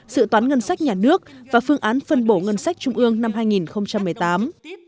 sự toán ngân sách nhà nước và phương án phân bổ ngân sách trung ương năm hai nghìn một mươi tám